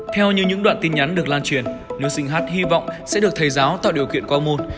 theo như những đoạn tin nhắn được lan truyền nữ sinh hát hy vọng sẽ được thầy giáo tạo điều kiện có môn